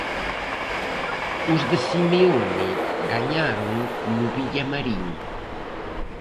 Os de Simeone gañaron no Villamarín.